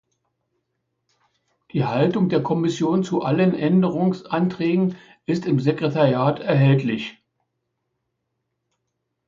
Die Haltung der Kommission zu allen Änderungsanträgen ist im Sekretariat erhältlich.